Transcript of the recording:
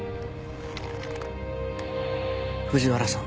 藤原さん。